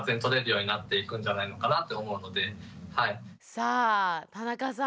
さあ田中さん